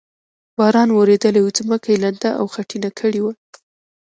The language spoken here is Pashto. باران ورېدلی و، ځمکه یې لنده او خټینه کړې وه.